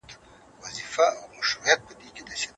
تاسو به د خپل ذهن په جوړولو کي کامیاب سئ.